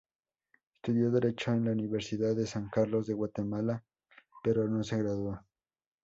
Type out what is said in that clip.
Estudió Derecho en la Universidad de San Carlos de Guatemala, pero no se graduó.